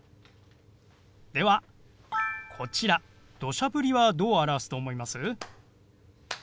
ではこちら「どしゃ降り」はどう表すと思います？